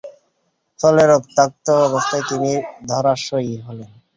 ফলে রক্তাক্ত অবস্থায় তিনি ধরাশায়ী হলেন।